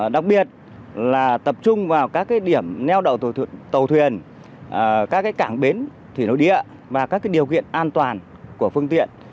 đặc biệt là tập trung vào các điểm neo đậu tàu thuyền tàu thuyền các cảng bến thủy nội địa và các điều kiện an toàn của phương tiện